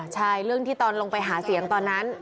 ใช่เรื่องที่ตอนลงไปหาเสียงตอนนั้น